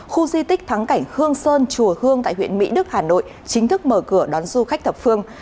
khu di tích thắng cảnh hương sơn chùa hương tại huyện mỹ đức hà nội chính thức mở cửa đón du khách thập phương